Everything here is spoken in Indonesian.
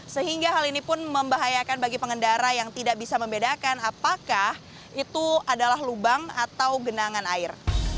sehingga hal ini pun membahayakan bagi pengendara yang tidak bisa membedakan apakah itu adalah lubang atau genangan air